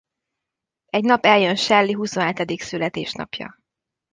Egy nap eljön Shelley huszonhetedik születésnapja.